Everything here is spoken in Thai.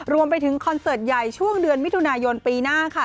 คอนเสิร์ตใหญ่ช่วงเดือนมิถุนายนปีหน้าค่ะ